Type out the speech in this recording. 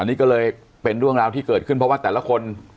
นี่ก็เลยเป็นเรื่องราวที่เกิดขึ้นเพราะว่าแต่ละคน